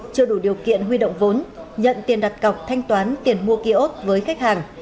chưa đủ điều kiện huy động vốn nhận tiền đặt cọc thanh toán tiền mua kiosk với khách hàng